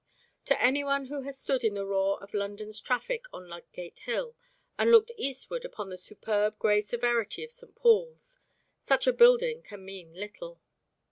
To any one who has stood in the roar of London's traffic on Ludgate Hill and looked eastward upon the superb grey severity of St. Paul's, such a building can mean little.